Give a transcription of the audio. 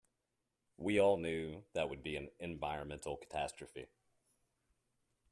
We all knew that would be an environmental catastrophe.